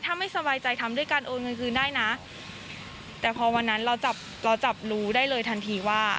ถ้าไม่สบายใจทำด้วยการโอนเงินคืนได้นะแต่พอวันนั้นเราจับเราจับรู้ได้เลยทันทีว่า